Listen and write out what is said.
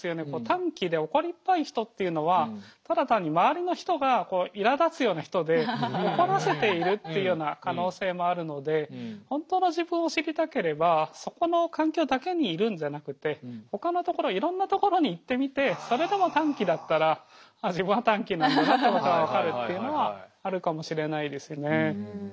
短気で怒りっぽい人っていうのはただ単に周りの人がいらだつような人で怒らせているっていうような可能性もあるので本当の自分を知りたければそこの環境だけにいるんじゃなくてほかの所いろんな所に行ってみてそれでも短気だったらあっ自分は短気なんだなってことが分かるっていうのはあるかもしれないですね。